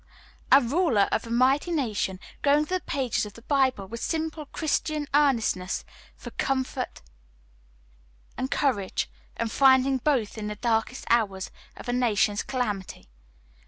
A ruler of a mighty nation going to the pages of the Bible with simple Christian earnestness for comfort and courage, and finding both in the darkest hours of a nation's calamity.